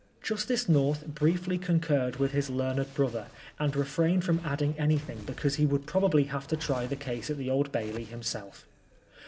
Justice North briefly concurred with his learned brother, and refrained from adding anything beoaase he would probably have to try the case at the Old Bailey himself.